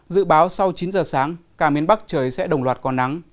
dự báo sau chín giờ sáng cả miền bắc trời sẽ đồng loạt có nắng